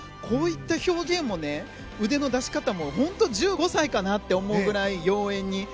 こういった表現も腕の出し方も本当に１５歳かなって思うぐらい妖えんに。